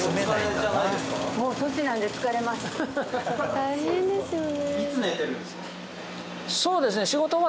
大変ですよね。